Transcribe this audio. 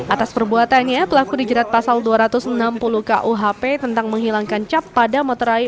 atas perbuatannya pelaku dijerat pasal dua ratus enam puluh kuhp tentang menghilangkan cap pada materai